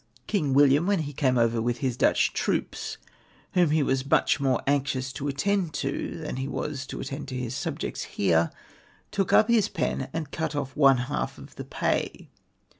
King William, when he came over \vith his Dutch troops, whom he was much more anxious to attend to than lie was to attend to liis subjects here, took up his pen and cut off one half of the pay.